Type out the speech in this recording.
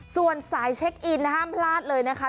ส่วนสายเช็คอินห้ามพลาดเลยนะคะ